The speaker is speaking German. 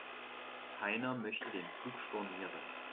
Heiner möchte den Flug stornieren.